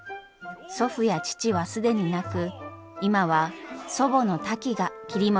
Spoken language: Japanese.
祖父や父は既になく今は祖母のタキが切り盛りしています。